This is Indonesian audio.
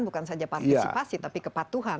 bukan saja partisipasi tapi kepatuhan